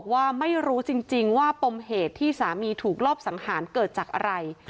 ว่าไม่รู้จริงว่าปมเหตุที่สามีถูกรอบสังหารเกิดจากอะไร